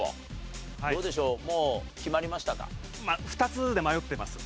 ２つで迷ってます。